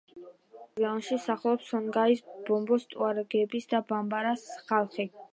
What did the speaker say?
გაოს რეგიონში სახლობს სონგაის, ბობოს, ტუარეგების და ბამბარას ხალხი.